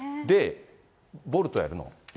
ボルトやるの？